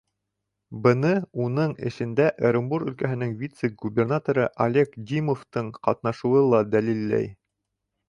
Быны уның эшендә Ырымбур өлкәһенең вице-губернаторы Олег Димовтың ҡатнашыуы ла дәлилләй.